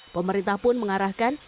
pemerintah pun mengarahkan